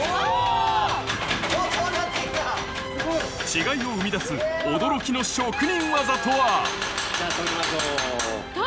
違いを生み出す驚きの職人技とは？